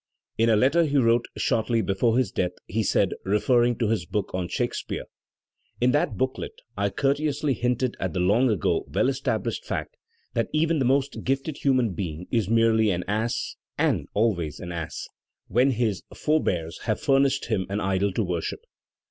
In a letter he wrote shortly before his death he said, referring to his book on Shakespeare: "In that booklet I courteously hinted at the long ago well established fact that even the most gifted hu man being is merely an ass, & always an ass, when his for Digitized by Google 254 THE SPIRIT OF AMERICAN LITERATURE bears have furnished him an idol to worship.